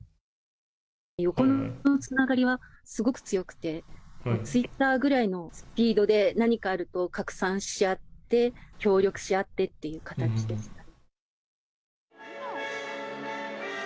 横のつながりはすごく強くて、ツイッターぐらいのスピードで、何かあると拡散し合って、協力し合ってっていう形でしたね。